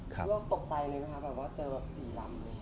ค่ะแล้วตกใจเลยไหมครับแบบว่าเจอ๔ลำ